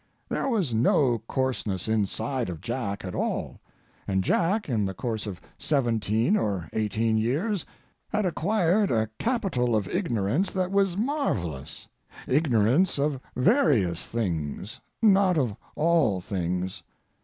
There was no coarseness inside of Jack at all, and Jack, in the course of seventeen or eighteen years, had acquired a capital of ignorance that was marvellous—ignorance of various things, not of all things.